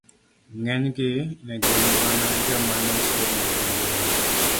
ng'enygi ne gin mana joma ne chiemo gi lum.